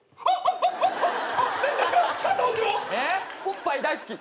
おっぱい大好き。